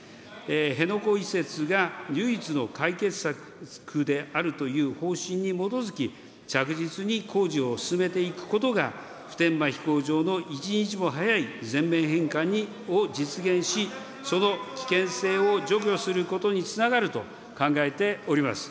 辺野古移設が唯一の解決策であるという方針に基づき、着実に工事を進めていくことが、普天間飛行場の一日も早い全面返還を実現し、その危険性を除去することにつながると考えております。